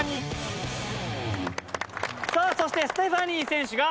さあそしてステファニー選手が。